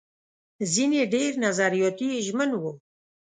ځينې ډېر نظریاتي ژمن وو.